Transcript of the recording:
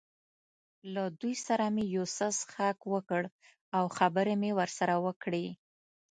له دوی سره مې یو څه څښاک وکړ او خبرې مې ورسره وکړې.